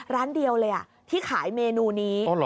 ร้านเดียวเลยที่ขายเมนูนี้